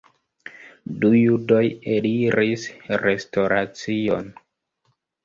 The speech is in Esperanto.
Du judoj eliris restoracion.